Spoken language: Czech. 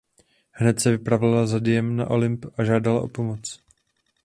Hned se vypravila za Diem na Olymp a žádala o pomoc.